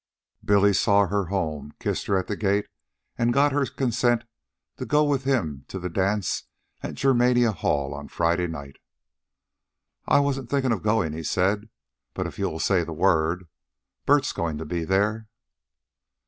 Billy saw her home, kissed her at the gate, and got her consent to go with him to the dance at Germania Hall on Friday night. "I wasn't thinkin' of goin'," he said. "But if you'll say the word... Bert's goin' to be there."